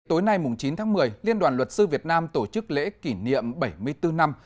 tối nay chín tháng một mươi liên đoàn luật sư việt nam tổ chức lễ kỷ niệm bảy mươi bốn năm